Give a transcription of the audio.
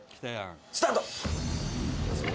「スタート！」